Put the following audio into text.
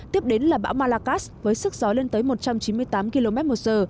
tiếp đến là bão malacas với sức gió lên tới một trăm chín mươi tám km một giờ